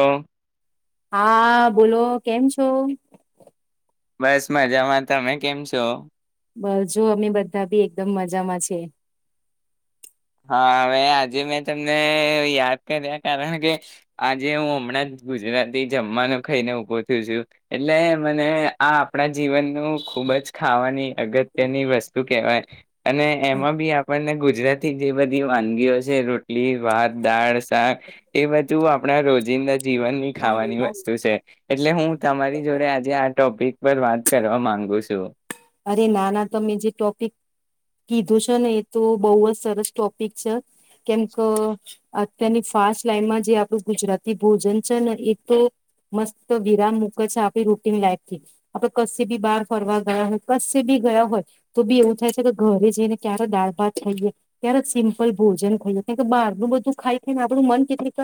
હ. હા બોલો કેમ છો? બસ મજામાં તમે કેમ છો. બસ જો અમે બધા બી એકદમ મજામાં છે. હા હવે આજે મેં તમને યાદ કર્યા કારણ કે આજે હું હમણાં જ ગુજરાતી જમવાનું ખાઈને ઊભો થું છું એટલે મને આ આપણા જીવનનું ખુબ જ ખાવાની અગત્યની વસ્તુ કહેવાય. અને એમાં બી આપણને ગુ જે બધી વાનગીઓ છે રોટલી ભત દાળ શાક એ બધું આપણા રોજિંદા જીવનની ખાવાની વસ્તુ છે એટલે હું તમારી જોડે આજે આ ટોપિક પર વાત કરવા માંગુ છું અરે ના ના તમે જે ટોપિક કીધું છે ને એ તો બહુ જ સરસ ટોપિક છે કેમ કે અત્યારની ફાસ્ટ લાઈફમાં જે આપણું ગુજરાતી ભોજન છે ને એ તો મસ્ત વિરામ મૂકે છે આપડી રૂટીન લાઈફથી આપડે કશ બી બહાર ફરવા ગયા હતા ક બી ગયા હોય તો બી એવું થાય છે કે ઘરે જઈને ક્યારે દાળ ભાત ખાઈએ ક્યારે સિમ્પલ ભોજન ખાઈએ કે કે બહારનું બધું ખાય છેાયને આપણું મન કેટલીક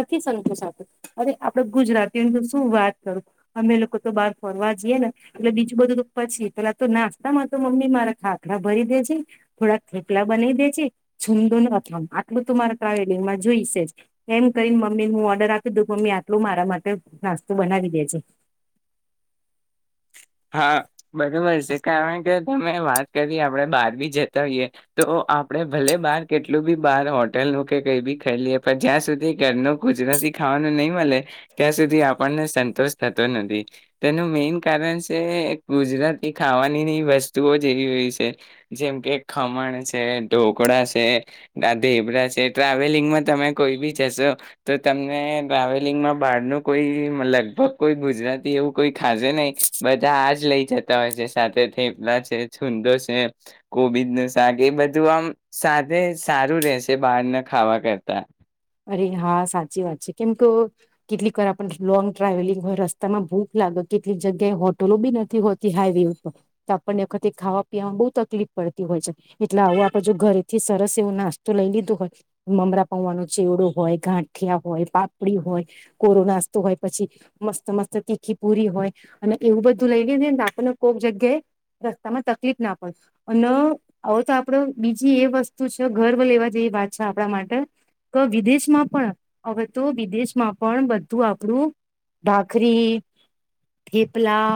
નથી સંતોષ આપતું અરે આપડે ગુજરાતી અંદર શું વાત કરું અમે લોકો તો બહાર ફરવા જઈએે ને એટલે બીજું બધું તો પછી પેલા તો નાસ્તામાં તો મમ્મી મારા ખાખરા ભરી દેજે થોડા થેકલા બનાવી દેજે છૂમદો નથામ આટલું ત મારા ટ્રાવેલિંગમાં જોઈશે એમ કરીને મમ્મી હું ઓર્ડર આપી દ મમ્મી આટલું મારા માટે નાસ્તો બનાવી દેજે હા બરોબર છે કારણ કે તમે વાત કરી આપણે બહાર બી જતા હોઈએ તો આપણે ભલે બહાર કેટલું બી બહાર હોટેલનું કે કઈ બી ખરી લએ પણ જ્યાં સુધી ઘરનું કુદરતી ખાવાનું નહીિ મળે ત્યાં સુધી આપણને સંતોષ થતો નથી તેનું મેન કારણ ગુજરાતી ખાવાનીની વસ્તુઓ જે એવી હોય છે જેમ કે ખમણ છે ઢોકળા છેધેબડા છે ટ્રાવેલિંગમાં તમે કોઈ બી જશો તો તમને ટ્રાવેલિંગમાં બહારનું કોઈ લગભગ કોઈ ગુજરાતી એવું કોઈ ખાશે નહી બધા આ જ લઈ જતા હોય છે સાથે થેપલા છે છુંડો છે કોબીજ ન શાક એ બધું આમ સાથે સારું રહેશે બહારને ખાવા કરતા અરે હા સાચી વાત છે કેમ કે કેટલીક વાર આપણ લોંગ ટ્રાવેલિંગ હોય રસ્તામાં ભૂખ લાગે કેટલીક જગ્યાએ હોટલો બી નથી હોતી હાઈવે ઉપર તો આપણને વખતે ખાવા પીવાવામાં બહુ તકલીફ પડતી હોય છે એટલે આવું આપડે જો ઘરેથી સરસ એવો નાસ્તો લઈ લીધો હોય મમરા પવાનું ચેવડો હોય ગાંઠિયા હોય પાપડી હોય કોરો નાસ્તો હોય પછી મસ્ત મસ્ત તીખી પુરી હોય અને એવું બધું લઈ આપને કોઈક જગ્યાએ રસ્તામાં તકલીફ ના પડે અને આવો તો આપડ બીજી એ વસ્તુ છે ગર્વ લેવા જેવી વાત છે આપણા માટે વિદેશમાં પણ હવે તો વિદેશમાં પણ બધું આપણું ભાખરી થેપલા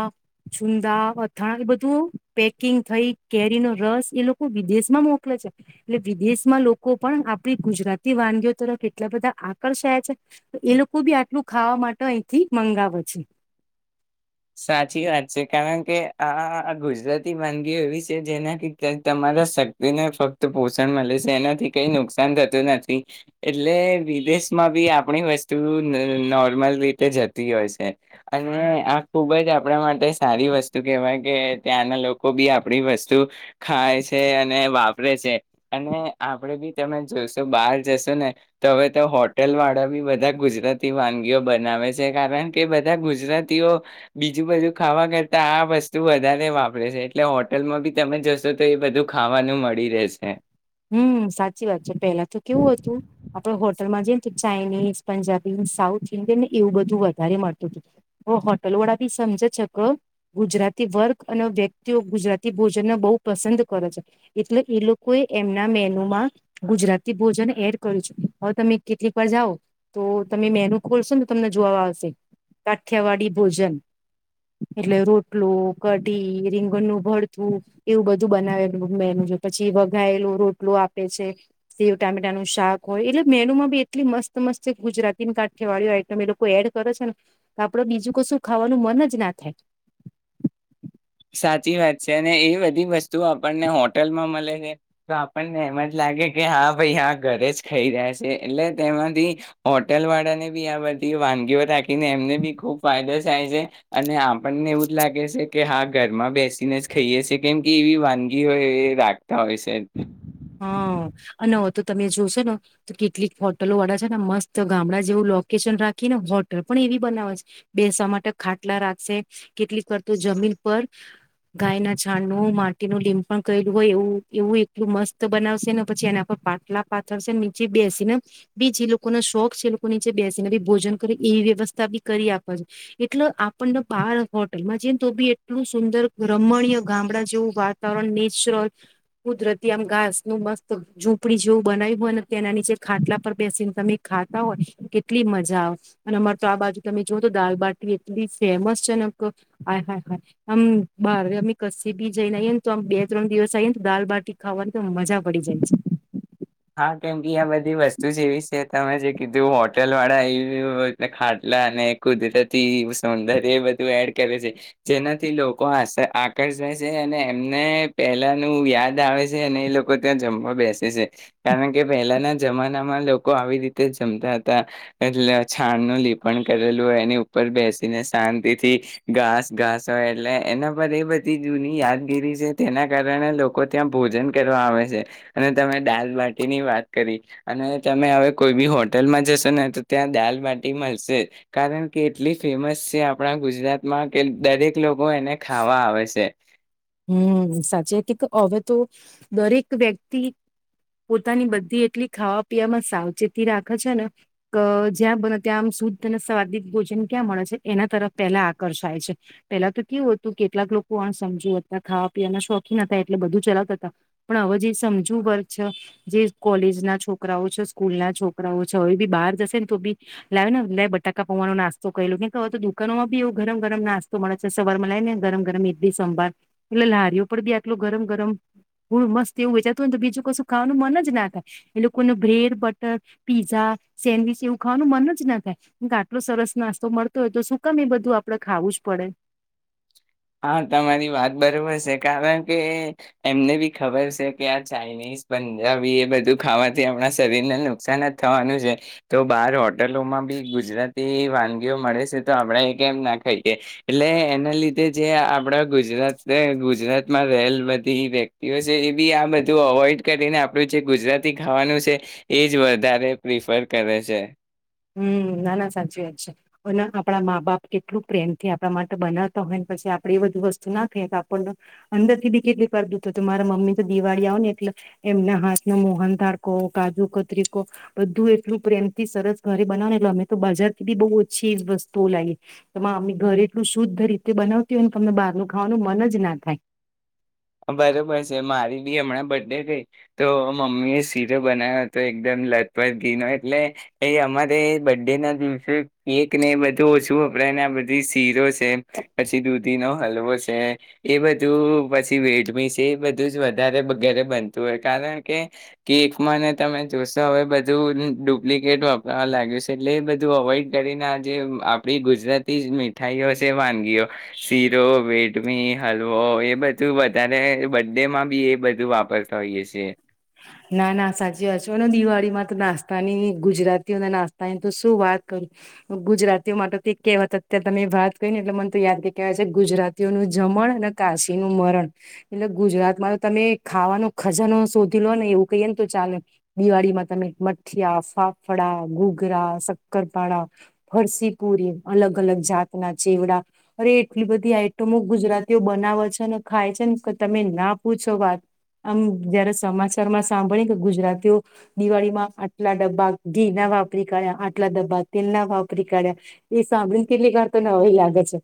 ચુંદા અથાણા એ બધું પેકિંગ થઈ કેરીનોો રસ એ લોકો વિદેશમાં મોકલે છે એટલે વિદેશમાં લોકો પણ આપડી ગુજરાતી વાનગીઓ તરફ એટલા બધા આકર્ષયા છે એ લોકો બી આટલું ખાવા માટે અહીથી મંગાવે છે સાચી વાત છે કારણ કે આ ગુજરાતી વાનગીઓ એવી છે જેનાથી તમારા શક્તિને ફક્ત પોષણ મળે છે એનાથી કઈ નુકસાન થતું નથી એટલે વિદેશમાં બી આપણી વસ્તુ નોર્મલ રીતે જતી હોય છે અને આ ખુબ જ આપણા માટે સારી વસ્તુ કેહેવાય કે ત્યાંના લોકો બી આપણી વસ્તુ ખાય છે અને વાપરે છે અને આપણેે બી તમે જોશો બહાર જશો ને તો હવે તો હોટલ વાળા બી બધા ગુજરાતી વાનગીઓ બનાવે છે કારણ કે બધા ગુજરાતીઓ બીજું બજુ ખાવા કરતા આ વસ્તુ વધારે વાપરે છે એટલે હોટલમાં બી તમે જશો તો એ બધું ખાવાનું મળી રહેશે હમ સાચી વાત છે પેલા તો કેવું હતું આપડે હોટલમાં જે ને ચાઇનીઝ પંજાબી સાઉથ ઇન્ડિયન ને એવું બધું વધારે મળતું હતું હ હોટલ વાળા બી સમજે છે કે ગુજરાતી વર્ગ અને વ્યક્તિઓ ગુજરાતી ભોજનને બહુ પસંદ કરે છે એટલે એ લોકો એ એમના મેનુમાં ગુજરાતી ભોજન એડ કરું છું હવે તમે કેટલીક વાર જાઓ તો તમે મેનુ ખોલશોને તમને જોવા આવશે કાઠિયાવાડી ભોજન એટલે રોટલો કઢી રીંગણનું ભરથું એવું બધું બનાવેલું મેનુ જો પછી ગાયેલો રોટલો આપે છે સેવ ટામેટા નું શાક હોય એટલે મેન્યુ માં બી એટલી મસ્ત મસ્ત ગુજરાતીની કાઠિયાવાડીી આઈટમ એ લોકો એડ કરે છે ને આપડે બીજું કશું ખાવાનું મન જ ના થાય [inaudible] સાચી વાત છે અને એ બધી વસ્તુ આપણને હોટલમાં મળે છે તો આપણને એમ જ લાગે કે હા ભાઈ આ ઘરે જ ખાઈ રહ્યા છે એટલે તેમાંથી હોટલ વાળાને બી આ બધી વાનગીઓ રાાખીને એમને બી ખૂબ ફાયદો થાય છે અને બંને એવું જ લાગે છે કે હ ઘરમાં બેસીને જ ખાઈએશે કેમ કે એવી વાનગી હોય એ રાખતા હોય છે હા અને હ તો તમે જોશો ને તો કેટલીક હોટલો વાળા છે ને મસ્ત ગામડા જેવું લોકેશન રાખી ને હોટલ પણ એવી બનાવે છે બેસવા માટે ખાટલા રાખશે કેટલીક કરત જમીન પર ગાય ના છાણનું માટીનું લીંમ પણ કરલું હોય એવું એવું એટલું મસ્ત તો બનાવશે ને પછી એના પાટલા પાથરશે નીચે બેસીને બી જે લોકોનો શોખ છે એ લોકો નીચે બેસીને બ ભોજન કરે એવી વ્યવસ્થા બી કરી આપે છે એટલે આપણને બાર હોટલમાં જને તો બી એટલું સુંદર રમણીય ગામડા જેવું વાતાવરણ નેચરલ કુદરતી આમ ઘાસનુંું મસ્ત ઝૂંપડી જેવું બનાવ્યું હોય ને તેનાની જે ખાટલા પર બેસીને તમે ખાતા હોય કેટલી મજા આવે અને અમારે તો આ બાજુ તમે જોુઓ તો દાલબાટી એટલી ફેમસ છે ને આ હ હા આમ બારે અમે કસીી બી જઈનેઈએ ને તો આમ બે ત્રણ દિવસ આઈએ ને તો દાલબાટી ખાવાની તો મજા પડી જાય છે હ કેમ કે આ બધી વસ્તુ જેવી છે તમે જે કીધું હોટેલ વાળા આવ ખાટલા અને કુદરતી સૌંદર્ય એ બધું એડ કરે છે જેનાથી લોકો આ આકર્ષે છે અને એમને પેલાનું યાદ આવે છે અને એ લોકો ત્યાં જમવા બેસે છે કારણ કે પહેલાના જમાનામાં લોકો આવી રીતે જમતા હતા એટલે છાણનું લીપણ કરેલું હોય એની ઉપર બેસીને શાંતિ થી ઘાસ ઘાસ હોય એટલે એના પર એ બધી જૂની યાદગીરી છે તેના કારણે લોકો ત્યાં ભોજન કરવા આવે છે અને તમે દાલ બાટી ની વાત કરી અને તમે હવે કોઈ બી હોટલમાં જશો ને તો ત્યાં દાલબટી મળશે જ કારણ કે એટલી ફેમસ છે આપણા ગુજરાતમાં કે દરેક લોકો બો એને ખાવા છે હમ સાચી હતી કે હવે તો દરેક વ્યક્તિ પોતાની બધી એટલી ખાવા પીવામાં સાવચેતી રાખે છે ને કે જ્યાં બને ત્યાં આ શુદ્ધ અને સ્વાદ ભોજન ક્યાં મળે છે એના તરફ પેલા આકર્ષાય છે પેલા તો કેવું હતું કેટલાક લોકો આ સમજ ખાવા પીવાના શોખીન હતા એટલે બધું ચલાવતા હતા પણ હવે જે સમજુ વર છે જે કોલેજ ના છોકરાઓ છે સ્કૂલ ના છોકરાઓ છે હવે બી બહાર જશે ને તો બી લાવે ને લાય બટાકા પવાનો નાસ્તો કરલો હવે તો દુકાનોમાં બી એવ ગરમ ગરમ નાસ્તો મળે છે સવાર માં લાવ ને ગરમ ગરમ એક બી સંભા એટલે લારીઓ પણ બી આટલો ગરમ ગરમ હ મસ્ત એવું વેચાતું હોય તો બીજું કશું ખાવાનું મન જ ના થાય એ લોકોને બ્રેડ બટર પીઝા સેન્ડવીચ એવું ખાવાનું મન જ ના થાય કે આટલો સરસ નાસ્તો મળતો હોય તો સુુંકમ એ બધું આપડે ખાવું જ પડે હા તમારી વાત બરોબર છે કારણ કે એમને બી ખબર છે કે આ ચાઇનીઝ પંજાબી એ બધું ખાવાથી આપણા શરીરને નુકસાન જ થવાનું છે તો બાર હોટલોમાં બી ગુજરાતી વાનગીઓ મળે છે તો આપણે એ કેમ ના ખાઈએ એટલે એના લીધે જે આપણા ગુજરાત ગુજરાતમાં રહેલ બધી વ્યક્તિઓ છે એ બી આ બધું અવોઈડ કરીને આપણું જે ગુજરાતી ખાવાનું છે એજ વધારે પ્રિફર કરે છે હમ નાના સાચી વાત છે અને આપણા મા બાપ એટલું પ્રેમથી આપડા માટે બનાવતા હોય ને પછી આપડે એ બધું વસ્તુ ના થાય તો આપણ અંદર થી બી કેટલી કર દું તો મારા મમ્મી તો દિવાળી આવ ને એટલે એમના હાથ ન મોહન ધાડકો કાજુ કતરીકો બધું એટલું પ્રેમ થી સરસ ઘરે બનાવને એટલે અમે તો બજારથી બી બહુ ઓછી વસ્તુઓ લાગી તો અમ્મે ઘરે એટલું શુદ્ધ રીતે બનાવતી હોય ને તમને બારનું ખાવાનું મન જ ના થાય બરોબર છે મારી બી હમણાં બર્ ડે ગઈ તો મમ્મી એ શીરો બનાવ્યો હતો એકદમ લતપથ ઘી ન એટલે એ અમારે બર્ ડે ના દિવસે કેક ને એ બધું ઓછું વપરાયને આ બધી શીરો છે પછી દૂધી નો હલવો છે એ બધું પછી વેડમી છે એ બધું જ વધારે વગરે બનતું હોય કારણ કે કેકમાંને તમે જોશો હવે બધું ડુપ્લિકેટ વાપરવા લાગ્યું છે એટલે એ બધું અવોઈડ કરીને આ જે આપડી ગુજરાતી મીઠાઈઓ છે વાનગીઓ શીરો વેડમી હલવો એ બધ ત વધારે બડ ડે માં બી એ બધું વાપરતા હોઈએ છેી ના ના સાચી વાત છેને દિવાળી માં તો નાસ્તાની ગુજરાતીઓ ના નાસ્તાની તો શું વાત કરું ગુજરાતીઓ માટે કહેવાત અત્યારે તમે વાત કરી ને એટલે મને તો યાદ કે કેહેવાય છે ગુજરાતીઓનું જમણ અને કાશી નું મરણ એટલે ગુજરાતમાં તો તમે ખાવાનો ખજાનો શોધી લો ને એવું કહી ને તો ચાલે દિવાળીમાં તમે મઠિયા ફાફડા ગોઘરા શક્કરપાડાા ફરસીપુરી અલગ અલગ જાતના ચેવડા અરે એટલી બધી આઈટમો ગુજરાતીઓ બનાવે છેને ખાય છે ને કે તમે ના પૂછો વાત આમ જયારે સમાચાર શમાં સાંભળી કે ગુજરાતીઓ દિવાળીમાં આટલા ડબ્બા ઘી ના વાપરી કાઢ્યા આટલા ડબ્બા તેલ ના વાપરી કાઢ્યા એ સાંભળીને કેટલીકર તો ન એ લાગે છે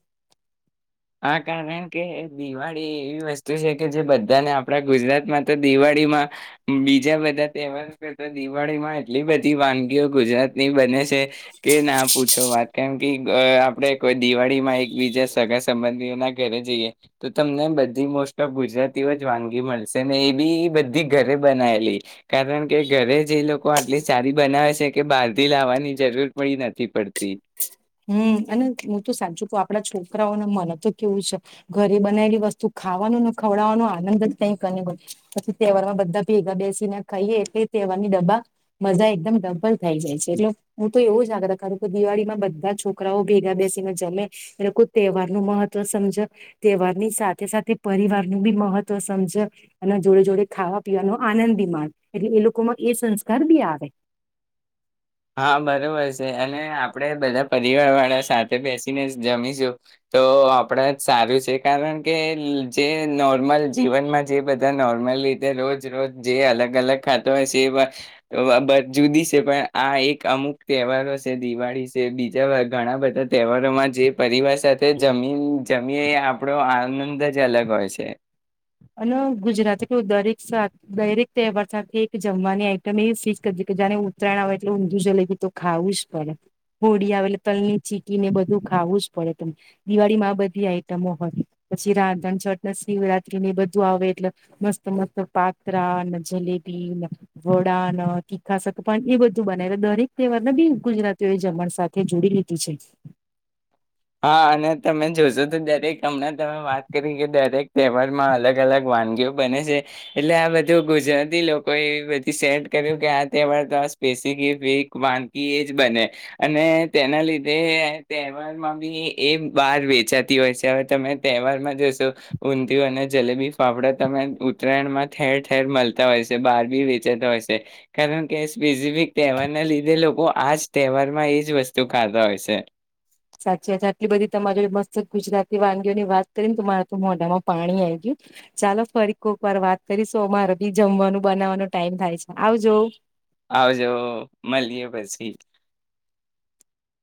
હા કારણ કે દિવાળી એવી વસ્તુ છે કે જે બધાને આપણા ગુજરાતમાં તો દિવાળીમાં બીજા બધા તહેવાર તો દિવાળીમાં એટલી બધી વાનગીઓ ગુજરાતની બને છે [unintelligible] કે ના પૂછો વાત કેમ કે આપડે કોઈ દિવાળી માં એક બીજા સગસ સંબંધીઓ ના ઘરે જઈએ તો તમને બધી મોસ્ટ ઓફ ગુજરાતીઓ જ વાનગી મળશે ને એ બી બધી ઘરે બનાયલી કારણ કે ઘરે જે લોકો આટલી સારી બનાવે છે કે બહારથી લાવવાની જરૂર પડી નથી પડતી હમ અને હું તો સાચું ક આપડા છોકરાઓને મને તો કેવું છે ઘરે બનાયલી વસ્તુ ખાવાનું ને ખવડાવવાનો આનંદ જ કં કરી હોય પછી તહેવાર માં બધા ભેગા બેસીને ખાઈએ એટલે તહેવાર ની ડબ્ા મજા એકદમ ડબલ થાય જાય છે એટલે હું તો એવો જ આાગ્ર કારું કે દિવાળીમાં બધ બ છોકરાઓ ભેગા બેસીને જમે એ લોકો તહેવારનુંું મહત્વ સમજે તહેવાર ની સાથે સાથે પરિવારનુંું બી મહત્વ સમજે અને જોડે જોડે ખાવા પીવાનો આનંદ બી માણ એટલે એ લોકોમાં એ સંસ્કાર બી આવે હા બરોબર છે અને આપણે બધા પરિવાર વાળા સાથે બેસીને જમીશું તો આપણા જ સારું છે કારણ કે જે નોર્મલ જીવનમાં જે બધા નોર્મલ રીતે રોજ રોજ જે અલગ અલગ ખાતો હોય છે એ જુદી છે પણ આ એક અમુક તહેવારો છે દિવાળી છે બીજા ઘણા બધા તહેવારોમાં જે પરિવાર સાથે જમી જમીએ આપણો આનંદ જ અલગ હોય છે અને ગુજરાત એટલું દરેક દરેક તહેવાર સાથે એક જમવાની આઈટમ એવી ફિક્સ કરી કે જાને ઉત્તરાયણ આવે એટલે ઊંધું જલેબી તો ખાવું જ પડે હોળી આવે એટલે તલની ચીટી ને બધું ખાવું જ પડે ત દિવાળી માં આ બધી આઈટમો હોય પછી રાધણ છટ શિવરાત એ બધું આવે એટલે મસ્ત મસ્ત પાત્રા ને જલેબીને વડાને તીખા સગપન એ બધું બનાવે દરેક તહેવાર બી ગુજરાતીઓ એ જમણ સાથે જોડી લીધું છે હા અને તમે જોશો તો દરેક હમણાં તમે વાત કરી કે દરેક તહેવારમાં અલગ અલગ વાનગીઓ બને છે એટલે આ બધું ગુજરાતી લોકોએ એ બધી સેટ કર્યું કે આ તહેવાર તો આ સ્પેસફ વાનગી એ જ બને અને તેના લીધે તહેવારમાં બ એ બહાર વેચાતી હોય છે હવે તમે તહેવારમાં જશો ઊંધિયું અને જલેબી ફાફડા તને ઉત્તરાયણમાં ઠેર ઠેર મળતા હોય છે બહાર બી વેચાતા હોય છે કારણ કે સ્પેસિફિક તહેવારના લીધે લોકો આજ તહેવારમાં એજ વસ્તુ ખાતા હોય છે સાચી વાત આટલી બધી તમારી મસ્ત ગુજરાતી વાનગીઓ ની વાત કરીનેરા તો મોઢામાં પાણી આવી ગયું ચાલો ફરી કોક વાર વાત કરી સોમારે બી જમવાનું બનાવવાનો ટાઈમ થાય છે આવજ આવજો મળીએ પછી